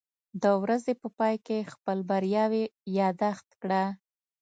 د ورځې په پای کې خپل بریاوې یاداښت کړه.